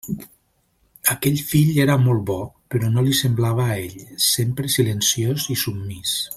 Aquell fill era molt bo, però no li semblava a ell; sempre silenciós i submís.